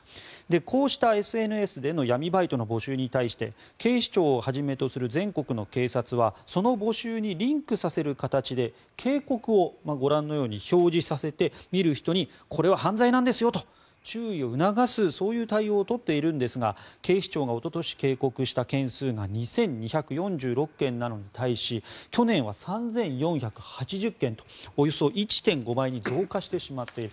こうしたＳＮＳでの闇バイトの募集に対して警視庁をはじめとする全国の警察はその募集にリンクさせる形で警告をご覧のように表示させて見る人にこれは犯罪なんですよと注意を促すそういう対応を取っているんですが警視庁がおととし警告した件数が２２４６件なのに対し去年は３４８０件とおよそ１．５倍に増加してしまっている。